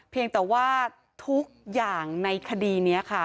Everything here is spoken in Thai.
เพียงแต่ว่าทุกอย่างในคดีนี้ค่ะ